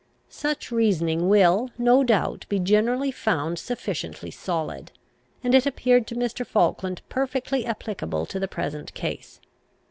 Such reasoning will, no doubt, be generally found sufficiently solid; and it appeared to Mr. Falkland perfectly applicable to the present case.